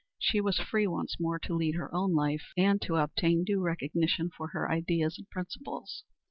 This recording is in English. She was free once more to lead her own life, and to obtain due recognition for her ideas and principles.